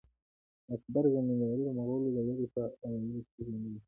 اکبر زمینداوری د مغلو د دوې په اوایلو کښي ژوندی وو.